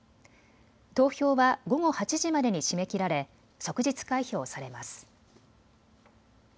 投票は午後８時までに締め切られ即日開票されます。